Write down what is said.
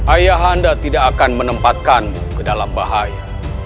ayah anda tidak akan menempatkanmu ke dalam bahaya